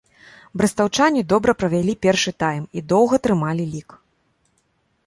Брэстаўчане добра правялі першы тайм і доўга трымалі лік.